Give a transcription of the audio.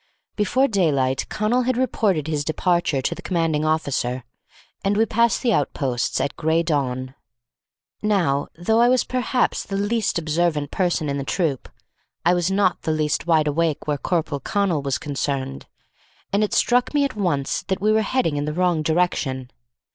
Before daylight Connal had reported his departure to the commanding officer, and we passed the outposts at gray dawn. Now, though I was perhaps the least observant person in the troop, I was not the least wideawake where Corporal Connal was concerned, and it struck me at once that we were heading in the wrong direction.